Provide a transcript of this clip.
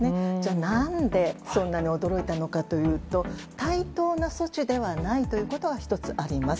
何でそんなに驚いたのかというと対等な措置ではないということが１つ、あります。